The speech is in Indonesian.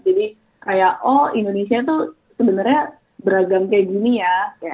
jadi kayak oh indonesia itu sebenarnya beragam kayak gini ya